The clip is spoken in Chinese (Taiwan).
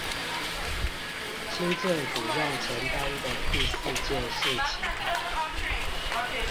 新政府要承擔的第四件事情